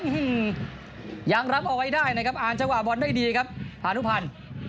ยังรับเอาไว้ได้นะครับอ่านจังหวะบอลได้ดีครับพานุพันธ์